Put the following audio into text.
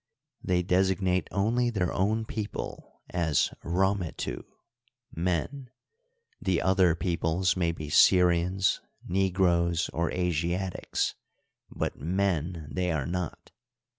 They designate only their own people as rometu, " men "; the other peoples may be Syrians, Ne groes, or Asiatics, but " men * they are not.